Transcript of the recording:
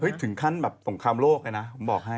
เฮ้ยถึงขั้นโตงคามโลกเลยนะผมบอกให้